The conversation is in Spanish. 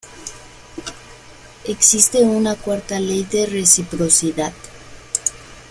Existe una cuarta ley de reciprocidad.